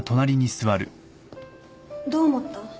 どう思った？